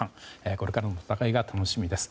これからの戦いが楽しみです。